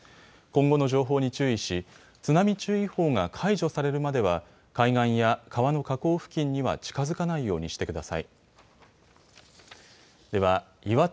今後の情報に注意し津波注意報が解除されるまでは海岸や川の河口付近には近づかないようにしてください。